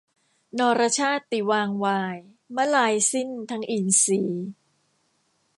นรชาติวางวาย มลายสิ้นทั้งอินทรีย์